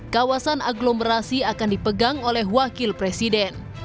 kawasan aglomerasi akan dipegang oleh wakil presiden